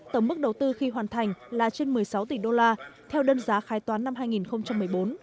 tổng mức đầu tư khi hoàn thành là trên một mươi sáu tỷ đô la theo đơn giá khai toán năm hai nghìn một mươi bốn